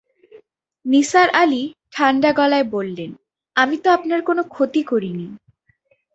নিসার আলি ঠাণ্ডা গলায় বললেন, আমি তো আপনার কোনো ক্ষতি করি নি।